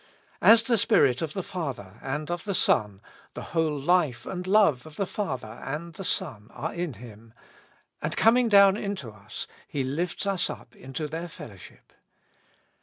As the Spirit of the Father, and of the Son, the whole life and love of the Father and the Son are in Him ; and coming down into us, He lifts us up into their fellowship.